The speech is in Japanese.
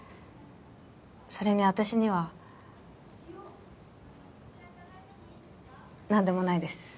それに私には何でもないです